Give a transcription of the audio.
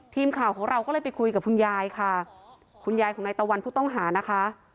ทีมข่าวของเราก็เลยไปคุยกับคุณยายค่ะคุณยายของนายตะวันผู้ต้องหานะคะ